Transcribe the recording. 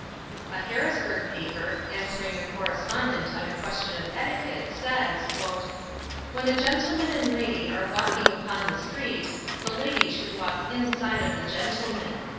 A Harrisburg paper, answering a correspondent on a question of etiquette, says: "When a gentleman and lady are walking upon the street, the lady should walk inside of the gentleman."